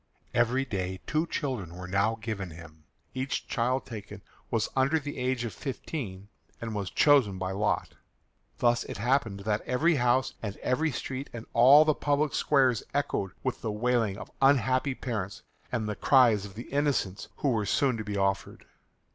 Every day two children were now given him. Each child taken was under the age of fifteen, and was chosen by lot. Thus it happened that every house and every street and all the public squares echoed with the wailing of unhappy parents and the cries of the innocents who were soon to be offered.